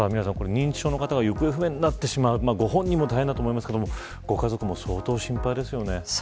認知症の方が行方不明になってしまうご本人も大変だと思いますがご家族もそうとう心配ですよね。